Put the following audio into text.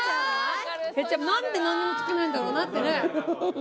何で何にもつけないんだろうなってね。